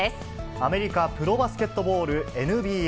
アメリカプロバスケットボールＮＢＡ。